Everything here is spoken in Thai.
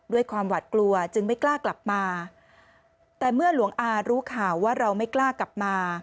ด้วยความหวัดกลัวจึงไม่กล้ากลับมาแต่เมื่อหลวงอารู้ข่าวว่าเราไม่กล้ากลับมา